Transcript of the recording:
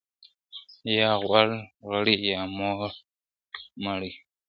¬ يا غوړ غړی، يا موړ مړی.